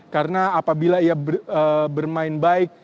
karena apabila ia bermain baik